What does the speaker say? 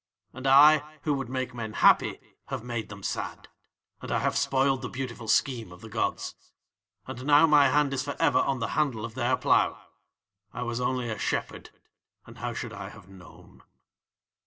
"'And I, who would make men happy, have made them sad, and I have spoiled the beautiful scheme of the gods. "'And now my hand is for ever on the handle of Their plough. I was only a shepherd, and how should I have known?